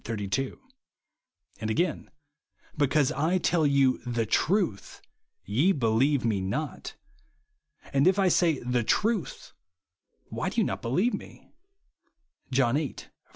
32) ; and again, " because I tell you the truth, ye believe me not. .. And if I say the truth, why do ye not be lieve TneV (John viii.